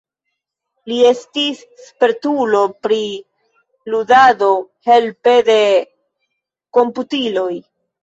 Li estis spertulo pri ludado helpe de komputiloj.